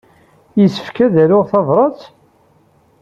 Yessefk ad aruɣ tabṛat?